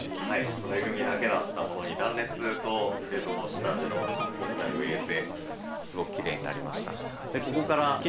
骨組みだけだったものに断熱と下地の木材を入れてすごくキレイになりました。